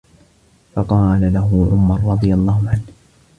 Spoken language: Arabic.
فَقَالَ لَهُ عُمَرُ رَضِيَ اللَّهُ عَنْهُ